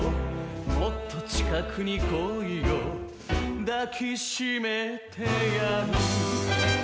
「もっと近くに来いよ抱きしめてやる」